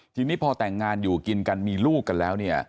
ทีนี้พอแต่งงานอยู่กินกันมีลูกกันแล้วเนี่ย